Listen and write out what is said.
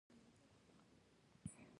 افغانستان د سلیمان غر یو ښه کوربه دی.